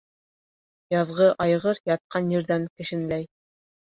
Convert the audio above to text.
Яҙғы айғыр ятҡан ерҙән кешенләй.